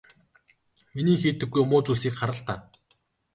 Миний хийдэггүй муу зүйлсийг хар л даа.